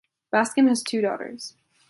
Baskin has two daughters.